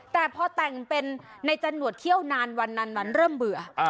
แต่พอแต่งเป็นในจันทร์หนวดเขี้ยวนานเริ่มเบื่อ